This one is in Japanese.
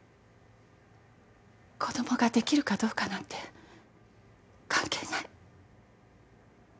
子供ができるかどうかなんて関係ない。